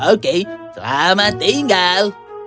oke selamat tinggal